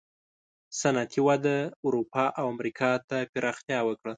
صنعتي وده اروپا او امریکا ته پراختیا وکړه.